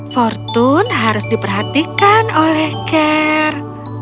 fortun harus diperhatikan oleh ker